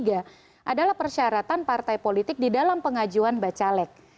adalah persyaratan partai politik di dalam pengajuan bacalek